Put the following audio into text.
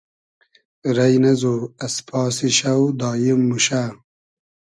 رݷ نئزو از پاسی شۆ داییم موشۂ